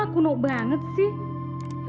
kuno banget sih